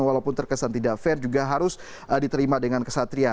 walaupun terkesan tidak fair juga harus diterima dengan kesatria